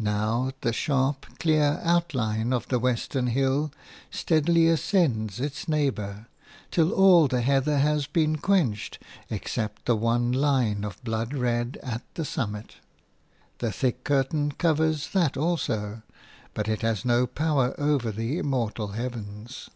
Now the sharp, clear outline of the western hill steadily ascends its neighbour, till all the heather has been quenched except the one line of blood red at the summit; the thick curtain covers that also, but it has no power over the immortal heavens.